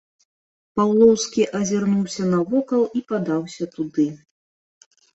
Паўлоўскі азірнуўся навокал і падаўся туды.